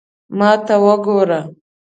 ما ته وګوره